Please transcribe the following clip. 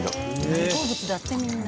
大好物だってみんな。